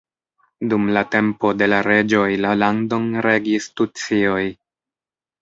Dum la tempo de la reĝoj, la landon regis tucioj.